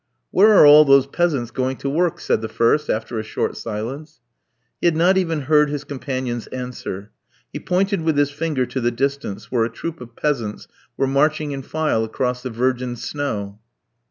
"Where are all those peasants going to work?" said the first, after a short silence. He had not even heard his companion's answer. He pointed with his finger to the distance, where a troop of peasants were marching in file across the virgin snow.